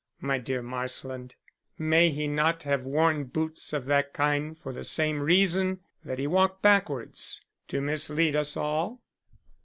"My dear Marsland, may he not have worn boots of that kind for the same reason that he walked backwards to mislead us all?"